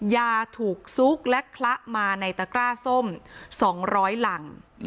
ยาถูกซุกและคละมาในตะกร้าส้ม๒๐๐หลัง